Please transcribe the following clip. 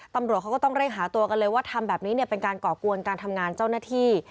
ตำรวจเขาก็ต้องเร่งหาตัวกันเลยว่าทำแบบนี้เนี่ยเป็นการก่อกวนการทำงานเจ้าหน้าที่